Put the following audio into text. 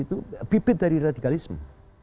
itu bibit dari radikalisme